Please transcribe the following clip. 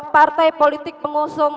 partai politik pengusung